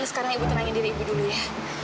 sekarang ibu tenangin diri ibu dulu ya